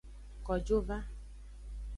Kojo va.